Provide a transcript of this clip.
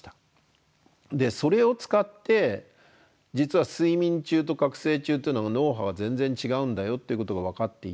それを使って実は睡眠中と覚醒中というのは脳波は全然違うんだよっていうことが分かっていって。